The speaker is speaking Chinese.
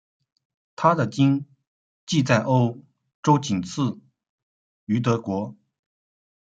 她的经济在欧洲仅次于德国。